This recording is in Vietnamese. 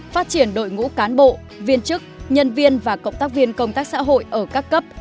phát triển đội ngũ cán bộ viên chức nhân viên và cộng tác viên công tác xã hội ở các cấp